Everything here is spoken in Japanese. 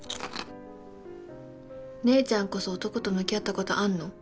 姉ちゃんこそ男と向き合ったことあんの？